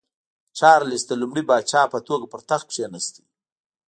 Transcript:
چارلېس د لومړي پاچا په توګه پر تخت کېناست.